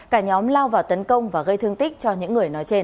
cả nhóm lao vào tấn công và gây thương tích cho những người nói trên